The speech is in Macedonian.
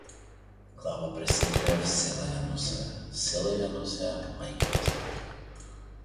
Глава пресекоја в села ја носеја, в села ја носеја мајки расплакаја.